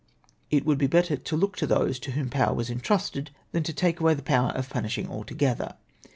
It would be better to look to those to whom power was entrusted, than to take away the power of punishing altogether.